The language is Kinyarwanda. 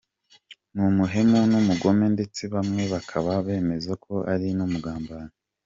N’umuhemu n’umugome ndetse bamwe bakaba bemeza ko ari n’umugambanyi.